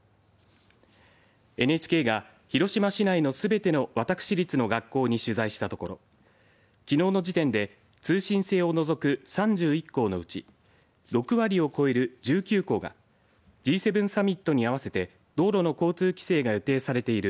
ＮＨＫが広島市内のすべての私立の学校に取材したところきのうの時点で通信制を除く３１校のうち６割を超える１９校がＧ７サミットにあわせて道路の交通規制が予定されている